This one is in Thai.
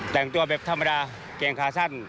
แต่งตัวแบบธรรมดาเกงขาสั้น